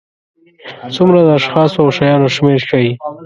څومره د اشخاصو او شیانو شمېر ښيي.